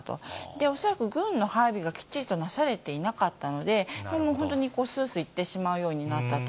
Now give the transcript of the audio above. で、恐らく、軍の配備がきっちりとなされていなかったので、もう本当に、すーすー行ってしまうようになったと。